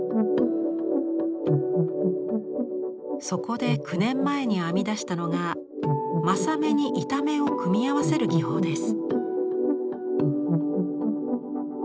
そこで９年前に編み出したのが柾目に板目を組み合わせる技法です。